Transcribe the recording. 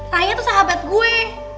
rayek tuh sahabat gue